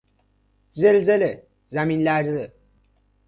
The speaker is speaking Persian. زلزله، زمین لرزه